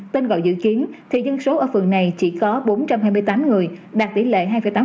tên gọi dự kiến thì dân số ở phường này chỉ có bốn trăm hai mươi tám người đạt tỷ lệ hai tám